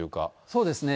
そうですね。